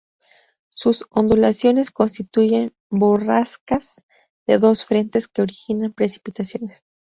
Sus ondulaciones constituyen borrascas de dos frentes, que originan precipitaciones.